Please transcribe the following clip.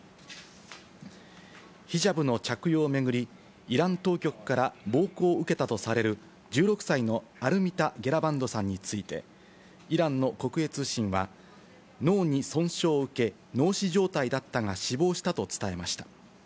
ヒジャブの着用を巡り、イラン当局から暴行を受けたとされる１６歳のアルミタ・ゲラバンドさんについて、イランの国営通信は、脳に損傷を受け、脳死状態だったが死亡したと伝えました。